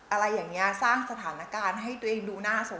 อะไรอย่างนี้สร้างสถานการณ์ให้ตัวเองดูหน้าสด